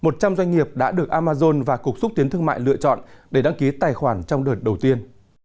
một trăm linh doanh nghiệp đã được amazon và cục xúc tiến thương mại lựa chọn để đăng ký tài khoản trong đợt đầu tiên